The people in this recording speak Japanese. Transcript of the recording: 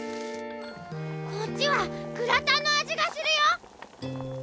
こっちはグラタンの味がするよ！